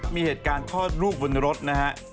มีเหตุการณ์คลอดลูกบนรถนะฮะ